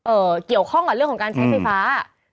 เกี่ยวข้องกับเรื่องของการใช้ไฟฟ้า